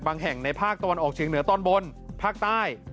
แห่งในภาคตะวันออกเชียงเหนือตอนบนภาคใต้